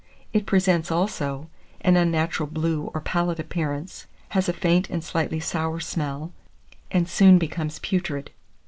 It presents, also, an unnatural blue or pallid appearance, has a faint and slightly sour smell, and soon becomes putrid.